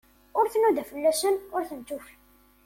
Ur tnuda fell-asen, ur ten-tufi.